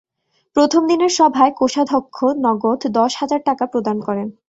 প্রথম দিনের সভায় কোষাধ্যক্ষ নগদ দশ হাজার টাকা প্রদান করেন।